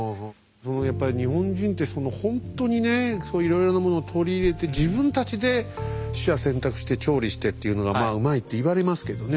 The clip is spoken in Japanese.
やっぱり日本人ってほんとにねいろいろなものを取り入れて自分たちで取捨選択して調理してっていうのがうまいって言われますけどね。